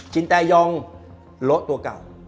จินแตยองละตัวกล่าว